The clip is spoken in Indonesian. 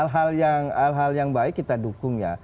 hal hal yang baik kita dukung ya